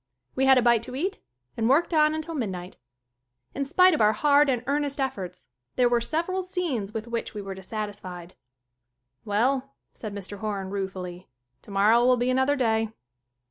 We had a bite to eat and worked on until midnight. In spite of our hard and earnest efforts there were several scenes with which we were dissatisfied. "Well," said Mr. Horan ruefully. "Tomor row will be another day."